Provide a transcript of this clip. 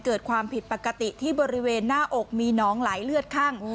เกิดความผิดปกติที่บริเวณหน้าอกมีน้องไหลเลือดข้าง